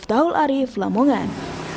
daul arief lamungan